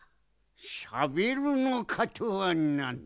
「しゃべるのか？」とはなんだ。